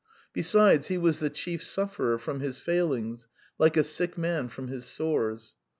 Besides, he was the chief sufferer from his failings, like a sick man from his sores.